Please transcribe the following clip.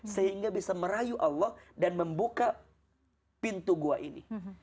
sehingga bisa merayu allah dan membuka pintu gua ini